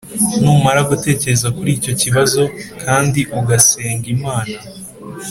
Numara gutekereza kuri icyo kibazo kandi ugasenga Imana